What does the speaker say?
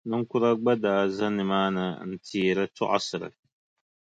Niŋkura gba daa za nimaani n-teeri tɔɣisiri.